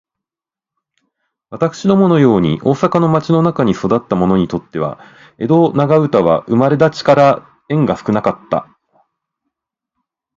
私どもの様に大阪の町の中に育つた者にとつては、江戸長唄は生れだちから縁が少かつた。